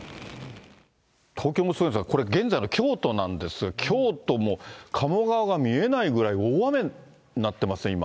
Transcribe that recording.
東京もすごいんですが、これ現在の京都なんですけど、京都もかも川が見えないくらい大雨になってますね、今。